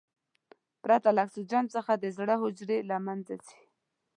پرته له اکسیجن څخه د زړه حجرې له منځه ځي.